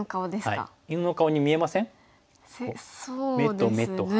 目と目と鼻。